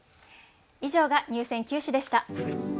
以上が入選九首でした。